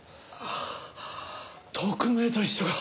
ああ特命と一緒か。